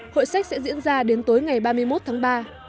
hội sách sẽ diễn ra đến tối ngày ba mươi một tháng ba